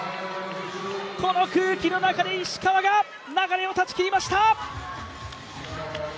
この空気の中で石川が流れを断ち切りました。